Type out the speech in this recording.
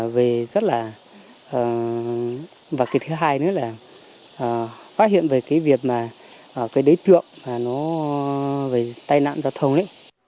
về rất là và cái thứ hai nữa là phát hiện về cái việc mà cái đối tượng nó về tai nạn giao thông đấy